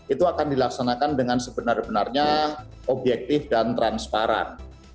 itu akan dilaksanakan dengan sebenar benarnya objektif dan transparan